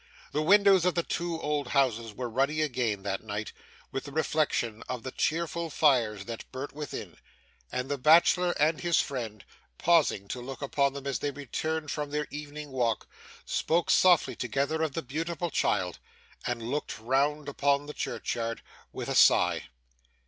The windows of the two old houses were ruddy again, that night, with the reflection of the cheerful fires that burnt within; and the bachelor and his friend, pausing to look upon them as they returned from their evening walk, spoke softly together of the beautiful child, and looked round upon the churchyard with a sigh.